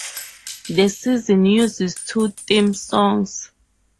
The season uses two theme songs.